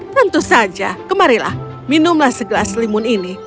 tentu saja kemarilah minumlah segelas limun ini